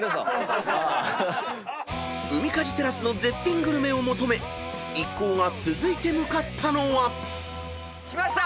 ［ウミカジテラスの絶品グルメを求め一行が続いて向かったのは］来ました。